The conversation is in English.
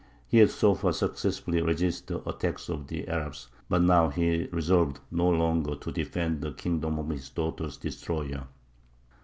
He had so far successfully resisted the attacks of the Arabs; but now he resolved no longer to defend the kingdom of his daughter's destroyer.